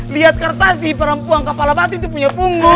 lihat kertas di perempuan kepala batu itu punya punggung